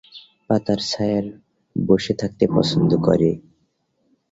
পাতার ছায়ার বসে থাকতে পছন্দ করে।